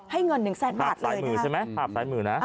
ให้เงิน๑แสนบาทเลยครับอ่านี่ค่ะเผาหลายหมือ